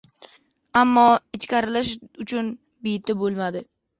Ammo... ichkarilash uchun beti bo‘lmadi!